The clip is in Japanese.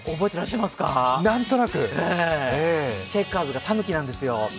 チェッカーズがたぬきなんですよ。